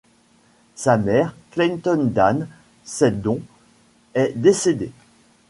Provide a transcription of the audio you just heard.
Sa mère, Clayton Dann Seddon, est décédée.